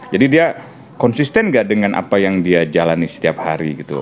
jadi dia konsisten nggak dengan apa yang dia jalani setiap hari gitu